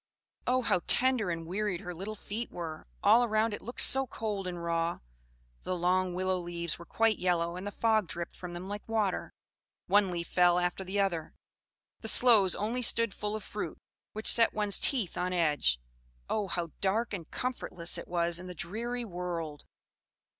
Oh, how tender and wearied her little feet were! All around it looked so cold and raw: the long willow leaves were quite yellow, and the fog dripped from them like water; one leaf fell after the other: the sloes only stood full of fruit, which set one's teeth on edge. Oh, how dark and comfortless it was in the dreary world!